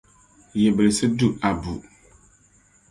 Yibilisi du Abu.